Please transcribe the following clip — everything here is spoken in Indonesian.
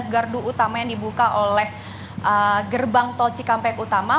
dua belas gardu utama yang dibuka oleh gerbang tol cikampek utama